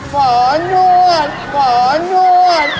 ขอนวดขอนวด